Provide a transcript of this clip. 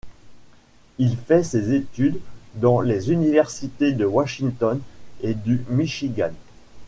Il fait ses études dans les universités de Washington et du Michigan.